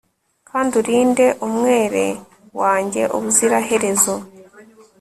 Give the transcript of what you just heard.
Kandi urinde umwere wanjye ubuziraherezo